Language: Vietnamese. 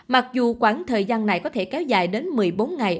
mặc dù khoảng thời gian này có thể kéo dài đến một mươi bốn ngày